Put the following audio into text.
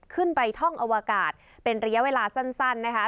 ขึ้นไปท่องอวกาศเป็นเรียวเวลาสั้นสั้นนะคะ